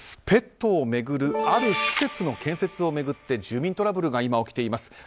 ペットを巡るある施設の建設を巡って住民トラブルが起こっています。